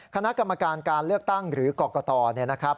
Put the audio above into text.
คณะกรรมการการเลือกตั้งหรือกรกตเนี่ยนะครับ